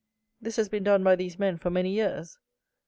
This has been done by these men for many years.